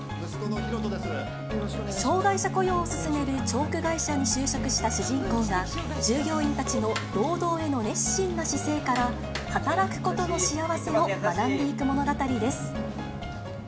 障がい者雇用を進めるチョーク会社に就職した主人公が、従業員たちの労働への熱心な姿勢から、働くことの幸せを学んでいく物語です。